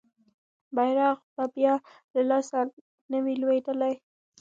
بیرغ به بیا له لاسه نه وي لویدلی.